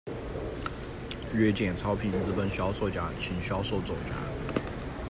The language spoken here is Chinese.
月见草平，日本小说家、轻小说作家。